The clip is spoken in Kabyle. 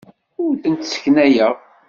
Ur tent-sseknayeɣ.